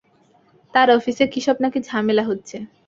তার অফিসে কী-সব নাকি ঝামেলা হচ্ছে।